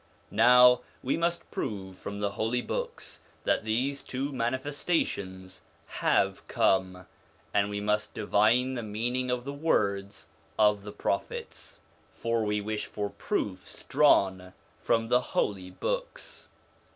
Now we must prove from the Holy Books that these two Manifestations have come, and we must divine the meaning of the words of the Prophets ; for we wish for proofs drawn from the Holy Books.